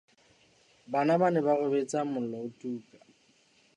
Bana ba ne ba robetse ha mollo o tuka.